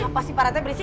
apa sih pak rt berisik